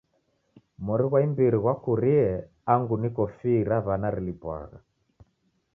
Mori ghwa imbiri ghwakurie angu niko fii ra w'ana rilipwagha